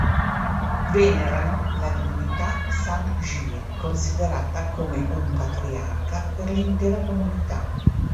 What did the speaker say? Venerano la divinità San Jie, considerata come un patriarca per l'intera comunità.